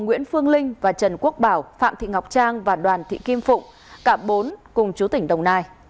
nguyễn phương linh và trần quốc bảo phạm thị ngọc trang và đoàn thị kim phụng cả bốn cùng chú tỉnh đồng nai